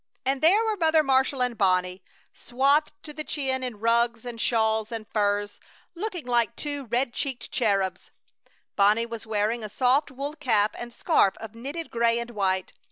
And there were Mother Marshall and Bonnie, swathed to the chin in rugs and shawls and furs, looking like two red cheeked cherubs! Bonnie was wearing a soft wool cap and scarf of knitted gray and white.